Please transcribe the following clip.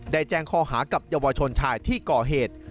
แจ้งข้อหากับเยาวชนชายที่ก่อเหตุ